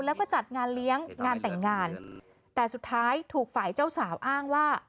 แล้วก็จัดงานเลี้ยงงานแต่งงานแต่สุดท้ายถูกฝ่ายเจ้าสาวอ้างว่า